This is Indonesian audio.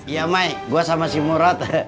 iya mai gua sama si murad